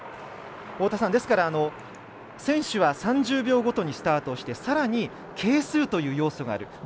ですから、選手は３０秒ごとにスタートしてさらに係数という要素がある。